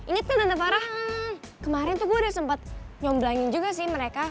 nih tante farah kemarin tuh gue udah sempet nyomblangin juga sih mereka